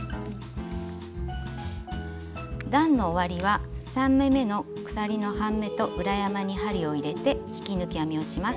段の終わりは３目めの鎖の半目と裏山に針を入れて引き抜き編みをします。